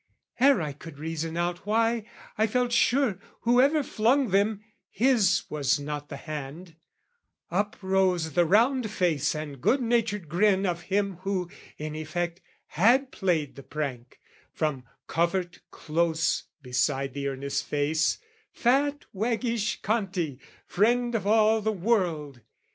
Ere I could reason out why, I felt sure, Whoever flung them, his was not the hand, Up rose the round face and good natured grin Of him who, in effect, had played the prank, From covert close beside the earnest face, Fat waggish Conti, friend of all the world.